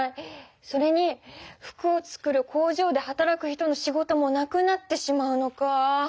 それに服を作る工場ではたらく人の仕事もなくなってしまうのか。